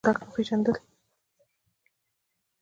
بل د سهي خوراک نۀ پېژندل ،